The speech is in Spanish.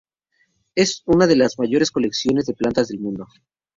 Es una de las mayores colecciones de plantas del mundo.